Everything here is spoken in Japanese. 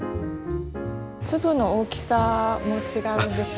粒の大きさも違うんでしょうか？